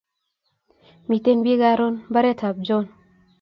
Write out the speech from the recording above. Miten bik karun mbaret ab John